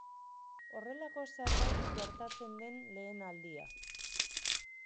Horrelako zerbait gertatzen den lehen aldia.